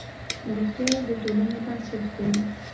روغتیا د ټولنې بنسټ دی.